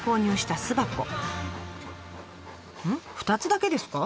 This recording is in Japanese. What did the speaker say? ２つだけですか？